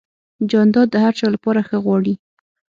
جانداد د هر چا لپاره ښه غواړي.